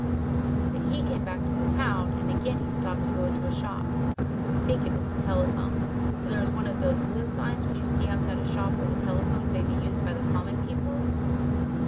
"Then he came back to the town and again he stopped to go into a shop. I think it was to telephone, for there was one of those blue signs which you can see outside a shop where the telephone may be used by the common people.